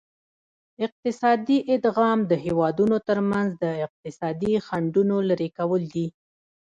اقتصادي ادغام د هیوادونو ترمنځ د اقتصادي خنډونو لرې کول دي